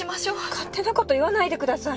勝手なこと言わないでください！